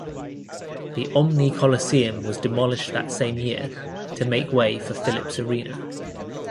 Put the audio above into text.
The Omni Coliseum was demolished that same year to make way for Philips Arena.